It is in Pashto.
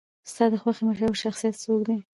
ستا د خوښې مشهور شخصیت څوک دی؟